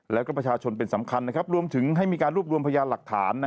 แล้วก็ประชาชนเป็นสำคัญรวมถึงให้มีการรวบรวมพยานหลักฐาน